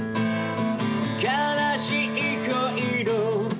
「悲しい恋の」